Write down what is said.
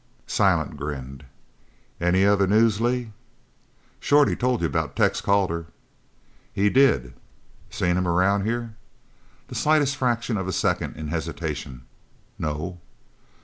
Silent grinned. "Any other news, Lee?" "Shorty told you about Tex Calder?" "He did. Seen him around here?" The slightest fraction of a second in hesitation. "No."